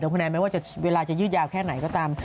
คุณแอนไม่ว่าเวลาจะยืดยาวแค่ไหนก็ตาม